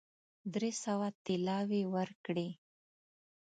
درې سوه طلاوي ورکړې.